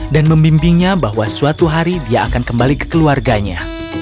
membimbingnya bahwa suatu hari dia akan kembali ke keluarganya